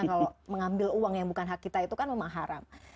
kalau mengambil uang yang bukan hak kita itu kan memang haram